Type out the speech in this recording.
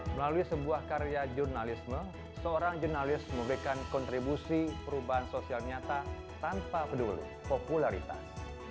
melalui sebuah karya jurnalisme seorang jurnalis memberikan kontribusi perubahan sosial nyata tanpa peduli popularitas